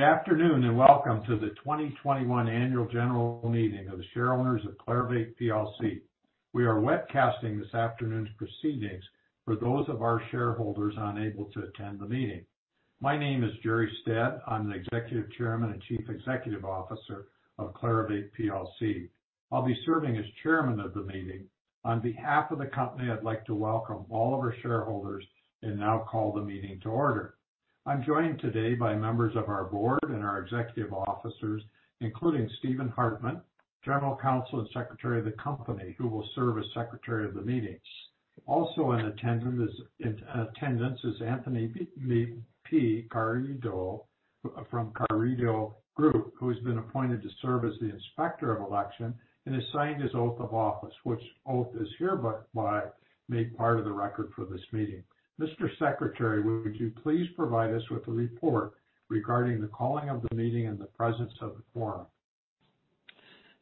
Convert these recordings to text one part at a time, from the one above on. Good afternoon, and welcome to the 2021 Annual General Meeting of the shareholders of Clarivate Plc. We are webcasting this afternoon's proceedings for those of our shareholders unable to attend the meeting. My name is Jerre Stead. I'm the Executive Chairman and Chief Executive Officer of Clarivate Plc. I'll be serving as chairman of the meeting. On behalf of the company, I'd like to welcome all of our shareholders and now call the meeting to order. I'm joined today by members of our board and our executive officers, including Steve Hartman, General Counsel and Secretary of the company, who will serve as Secretary of the meetings. Also in attendance is Antonio Carrillo from Carrillo Group, who has been appointed to serve as the Inspector of Election and has signed his oath of office, which oath is hereby made part of the record for this meeting. Mr. Secretary, would you please provide us with a report regarding the calling of the meeting and the presence of the quorum?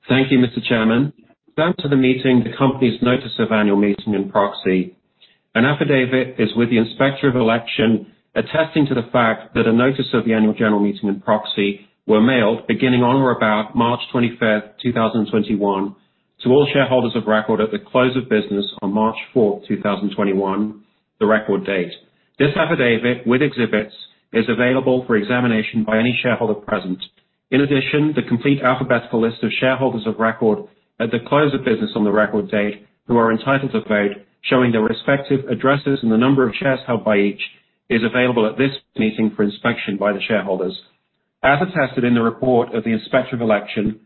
Thank you, Mr. Chairman. Thanks to the meeting, the company's notice of Annual Meeting and proxy. An affidavit is with the Inspector of Election, attesting to the fact that a notice of the Annual General Meeting and proxy were mailed beginning on or about March 25th, 2021, to all shareholders of record at the close of business on March 4th, 2021, the record date. This affidavit, with exhibits, is available for examination by any shareholder present. In addition, the complete alphabetical list of shareholders of record at the close of business on the record date who are entitled to vote, showing their respective addresses and the number of shares held by each, is available at this meeting for inspection by the shareholders. As attested in the report of the Inspector of Election,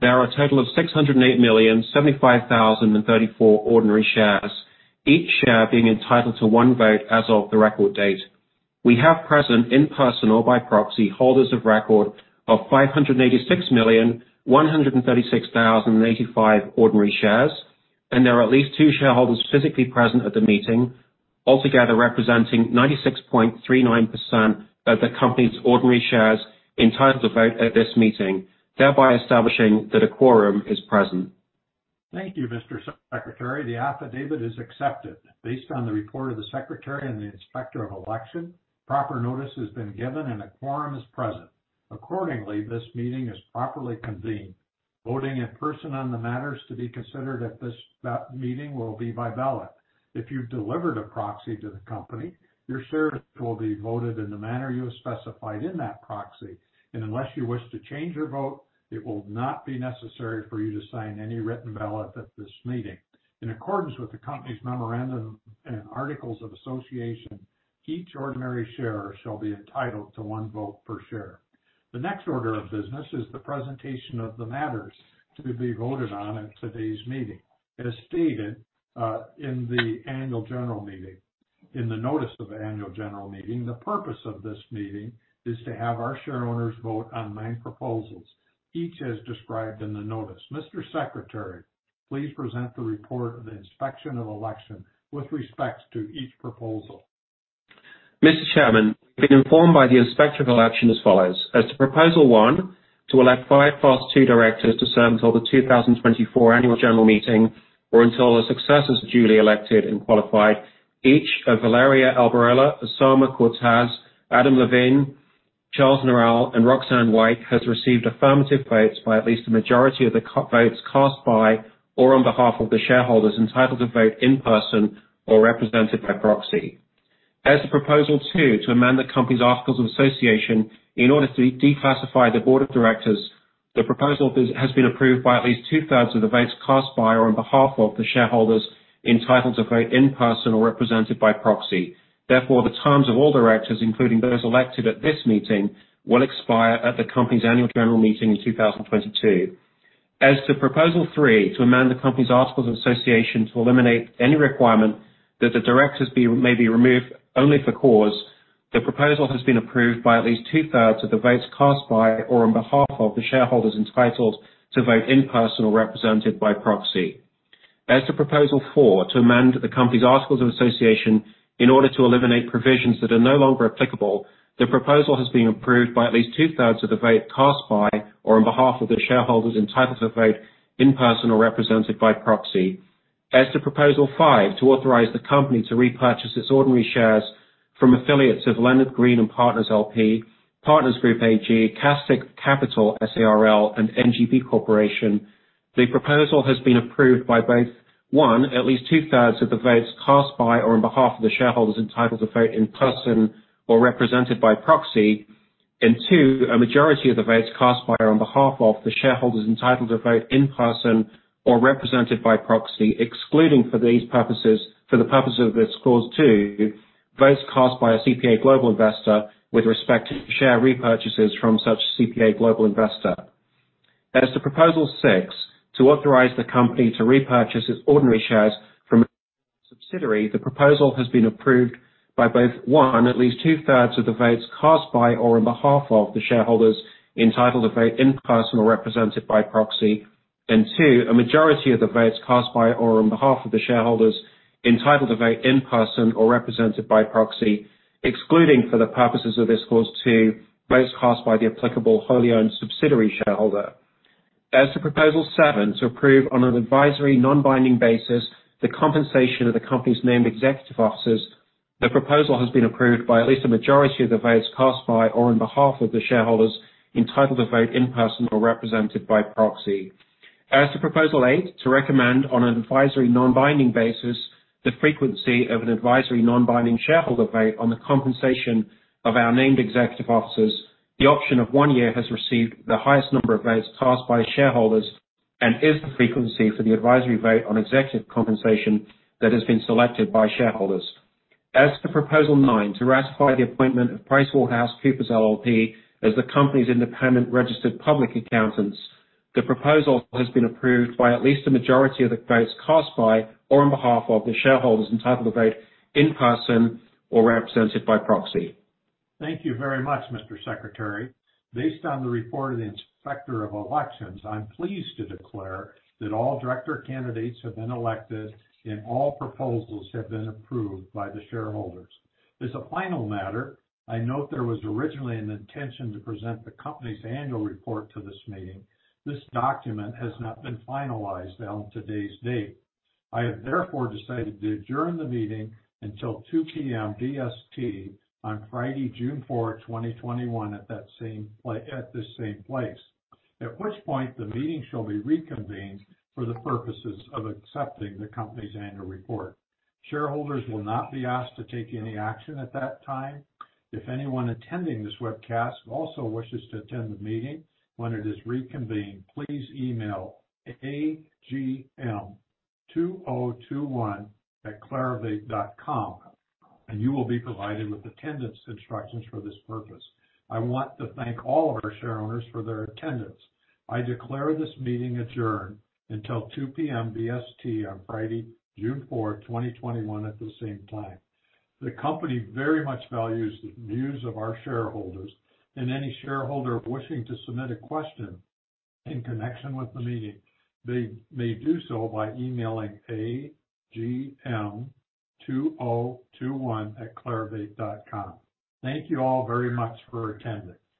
there are a total of 608,075,034 ordinary shares, each share being entitled to one vote as of the record date. We have present, in person or by proxy, holders of record of 586,136,085 ordinary shares, and there are at least two shareholders physically present at the meeting, altogether representing 96.39% of the company's ordinary shares entitled to vote at this meeting, thereby establishing that a quorum is present. Thank you, Mr. Secretary. The affidavit is accepted. Based on the report of the Secretary and the Inspector of Election, proper notice has been given and a quorum is present. This meeting is properly convened. Voting in person on the matters to be considered at this meeting will be by ballot. If you've delivered a proxy to the company, your shares will be voted in the manner you have specified in that proxy. Unless you wish to change your vote, it will not be necessary for you to sign any written ballot at this meeting. In accordance with the company's memorandum and articles of association, each ordinary share shall be entitled to one vote per share. The next order of business is the presentation of the matters to be voted on at today's meeting. As stated in the annual general meeting, in the notice of annual general meeting, the purpose of this meeting is to have our shareholders vote on nine proposals, each as described in the notice. Mr. Secretary, please present the report of the Inspection of Election with respect to each proposal. Mr. Chairman, I've been informed by the Inspector of Election as follows. As to proposal one, to elect five Class Two directors to serve until the 2024 Annual General Meeting or until their successors are duly elected and qualified, each of Valeria Alberola, Usama Cortas, Adam Levyn, Charles Noall, and Roxane White has received affirmative votes by at least a majority of the votes cast by or on behalf of the shareholders entitled to vote in person or represented by proxy. As to proposal two, to amend the company's articles of association in order to declassify the board of directors, the proposal has been approved by at least two-thirds of the votes cast by or on behalf of the shareholders entitled to vote in person or represented by proxy. Therefore, the terms of all directors, including those elected at this meeting, will expire at the company's Annual General Meeting in 2022. As to proposal three, to amend the company's articles of association to eliminate any requirement that the directors may be removed only for cause, the proposal has been approved by at least two-thirds of the votes cast by or on behalf of the shareholders entitled to vote in person or represented by proxy. As to proposal four, to amend the company's articles of association in order to eliminate provisions that are no longer applicable, the proposal has been approved by at least two-thirds of the vote cast by or on behalf of the shareholders entitled to vote in person or represented by proxy. As to proposal five, to authorize the company to repurchase its ordinary shares from affiliates of Leonard Green & Partners, L.P., Partners Group AG, Castik Capital S.à r.l., and NGP Corporation, the proposal has been approved by both, 1, at least two-thirds of the votes cast by or on behalf of the shareholders entitled to vote in person or represented by proxy. Two, a majority of the votes cast by or on behalf of the shareholders entitled to vote in person or represented by proxy, excluding for these purposes, for the purpose of this clause 2, votes cast by a CPA Global investor with respect to share repurchases from such CPA Global investor. As to Proposal six, to authorize the company to repurchase its ordinary shares from a subsidiary, the proposal has been approved by both, one, at least 2/3 of the votes cast by or on behalf of the shareholders entitled to vote in person or represented by proxy. Two, a majority of the votes cast by or on behalf of the shareholders entitled to vote in person or represented by proxy, excluding for the purposes of this clause two, votes cast by the applicable wholly owned subsidiary shareholder. As to Proposal seven, to approve on an advisory, non-binding basis the compensation of the company's named executive officers, the proposal has been approved by at least a majority of the votes cast by or on behalf of the shareholders entitled to vote in person or represented by proxy. As to Proposal eight, to recommend on an advisory, non-binding basis the frequency of an advisory, non-binding shareholder vote on the compensation of our named executive officers, the option of one year has received the highest number of votes cast by shareholders and is the frequency for the advisory vote on executive compensation that has been selected by shareholders. As to Proposal 9, to ratify the appointment of PricewaterhouseCoopers LLP as the company's independent registered public accountants, the proposal has been approved by at least a majority of the votes cast by or on behalf of the shareholders entitled to vote in person or represented by proxy. Thank you very much, Mr. Secretary. Based on the report of the Inspector of Election, I'm pleased to declare that all director candidates have been elected and all proposals have been approved by the shareholders. As a final matter, I note there was originally an intention to present the company's annual report to this meeting. This document has not been finalized on today's date. I have therefore decided to adjourn the meeting until 2:00 PM BST on Friday, June 4th, 2021 at this same place. At which point the meeting shall be reconvened for the purposes of accepting the company's annual report. Shareholders will not be asked to take any action at that time. If anyone attending this webcast also wishes to attend the meeting when it is reconvened, please email agm2021@clarivate.com and you will be provided with attendance instructions for this purpose. I want to thank all of our shareholders for their attendance. I declare this meeting adjourned until 2:00 P.M. BST on Friday, June 4th, 2021 at the same time. The company very much values the views of our shareholders and any shareholder wishing to submit a question in connection with the meeting, they may do so by emailing agm2021@clarivate.com. Thank you all very much for attending.